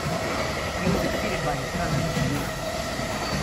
He was succeeded by his cousin, Runo.